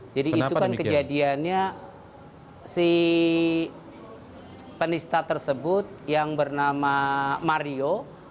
jadi itu kan kejadiannya si penista tersebut yang bernama mario